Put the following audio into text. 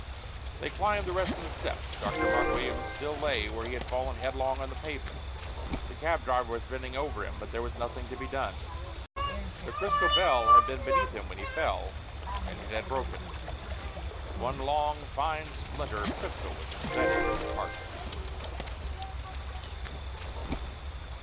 They climbed the rest of the steps. Dr. Mark Williams still lay where he had fallen headlong on the pavement. The cab driver was bending over him, but there was nothing to be done. The crystal bell had been beneath him when he fell, and it had broken. One long, fine splinter of crystal was embedded in his heart.